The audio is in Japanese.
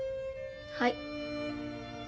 はい。